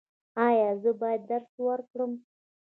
ایا زه باید درس ورکړم؟